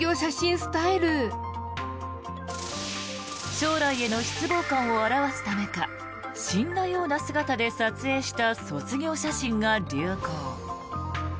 将来への失望感を表すためか死んだような姿で撮影した卒業写真が流行。